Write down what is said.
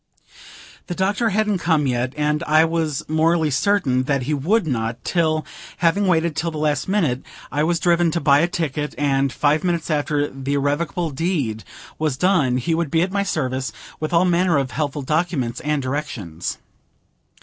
The Doctor hadn't come yet; and I was morally certain that he would not, till, having waited till the last minute, I was driven to buy a ticket, and, five minutes after the irrevocable deed was done, he would be at my service, with all manner of helpful documents and directions.